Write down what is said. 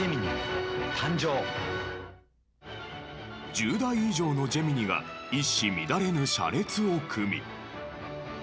１０台以上のジェミニが一糸乱れぬ車列を組み。